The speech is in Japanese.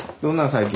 最近。